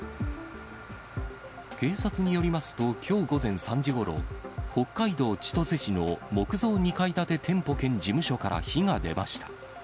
警察によりますと、きょう午前３時ごろ、北海道千歳市の木造２階建て店舗兼事務所から火が出ました。